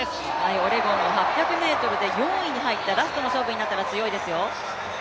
オレゴンの８００ｍで４位に入った、ラストの勝負に入ったら強いですよ。